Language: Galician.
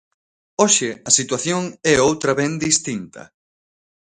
Hoxe a situación é outra ben distinta.